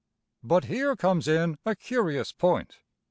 But here comes in a curious point.